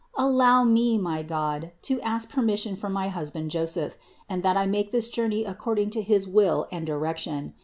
Allow me, my God, 156 CITY OF GOD to ask permission from my husband Joseph and that I make this journey according to his will and direction.